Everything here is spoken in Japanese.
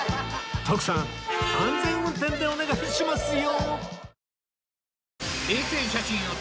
徳さん安全運転でお願いしますよ